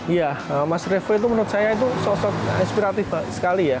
iya mas revo itu menurut saya itu sosok inspiratif sekali ya